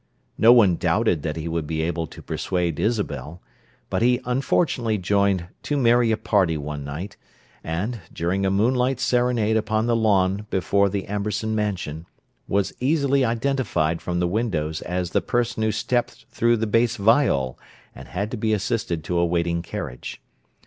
No one doubted that he would be able to persuade Isabel, but he unfortunately joined too merry a party one night, and, during a moonlight serenade upon the lawn before the Amberson Mansion, was easily identified from the windows as the person who stepped through the bass viol and had to be assisted to a waiting carriage.